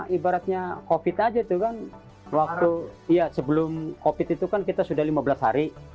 ibaratnya covid aja tuh kan waktu ya sebelum covid itu kan kita sudah lima belas hari